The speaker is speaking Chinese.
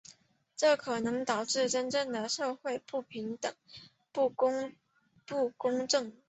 这可能导致真正的社会不平等和不公正。